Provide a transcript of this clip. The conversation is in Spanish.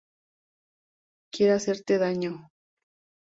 Quiere hacerte daño.